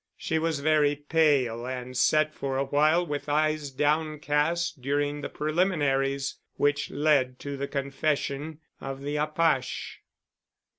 She was very pale and sat for a while with eyes downcast during the preliminaries which led to the confession of the apache.